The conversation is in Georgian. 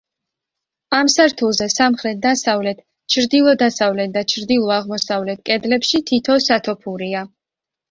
ამ სართულზე სამხრეთ-დასავლეთ, ჩრდილო-დასავლეთ და ჩრდილო-აღმოსავლეთ კედლებში თითო სათოფურია.